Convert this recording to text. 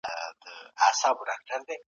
کابل، افغانستان او زيري له کالنيو څخه يادونه